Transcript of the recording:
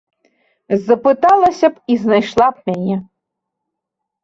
Запыталася б і знайшла б мяне.